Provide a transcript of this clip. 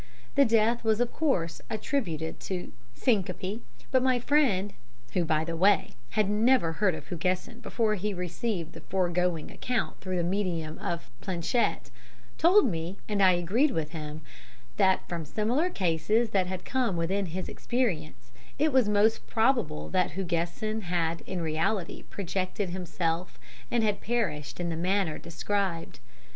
The death was, of course, attributed to syncope, but my friend who, by the way, had never heard of Hugesson before he received the foregoing account through the medium of planchette told me, and I agreed with him, that from similar cases that had come within his experience, it was most probable that Hugesson had in reality projected himself, and had perished in the manner described.